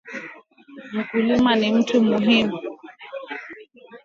Mkulima ni mtu muhimu katika Jamii